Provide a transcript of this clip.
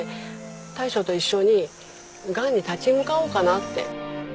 大将と一緒にがんに立ち向かおうかなって。